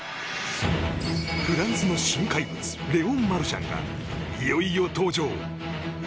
フランスの新怪物レオン・マルシャンがいよいよ登場。